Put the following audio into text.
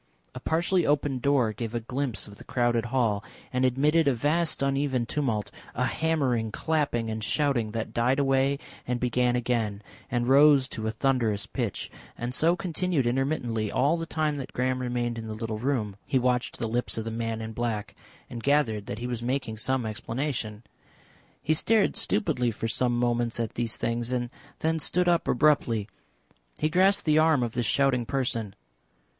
A partially opened door gave a glimpse of the crowded hall, and admitted a vast uneven tumult, a hammering, clapping and shouting that died away and began again, and rose to a thunderous pitch, and so continued intermittently all the time that Graham remained in the little room. He watched the lips of the man in black and gathered that he was making some explanation. He stared stupidly for some moments at these things and then stood up abruptly; he grasped the arm of this shouting person.